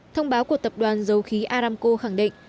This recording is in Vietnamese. thông báo của tập đoàn dầu khí aramco khẳng định